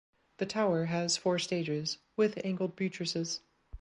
The tower has four stages with angled buttresses.